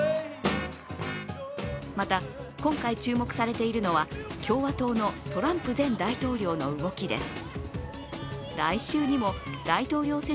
また、今回注目されているのは共和党のトランプ前大統領の動きです。